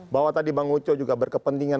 bahwa tadi bang uco juga berkepentingan